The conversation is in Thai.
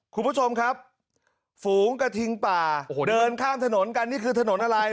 คุณผู้ชมครับฝูงกระทิงป่าโอ้โหเดินข้ามถนนกันนี่คือถนนอะไร